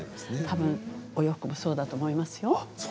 たぶん、お洋服もそうだと思いますよ。